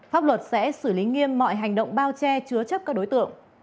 pháp luật sẽ xử lý nghiêm mọi hành động bao che chứa chấp các đối tượng